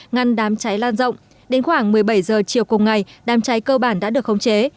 ngăn đám cháy lan rộng đến khoảng một mươi bảy h chiều cùng ngày đám cháy cơ bản đã được khống chế